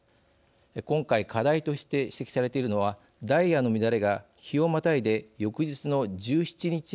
今回課題として指摘されているのはダイヤの乱れが日をまたいで翌日の１７日まで続いた点です。